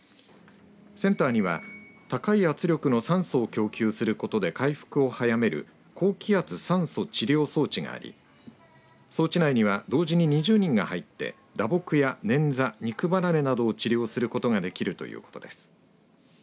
センターには高い圧力の酸素を供給することで回復を早める高気圧酸素治療装置があり装置内には同時に２０人が入って打撲やねんざ、肉離れなどを治療することができるということです。